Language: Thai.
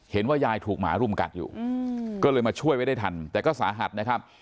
ยายถูกหมารุมกัดอยู่ก็เลยมาช่วยไว้ได้ทันแต่ก็สาหัสนะครับ